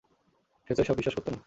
সে তো এসব বিশ্বাস করত না।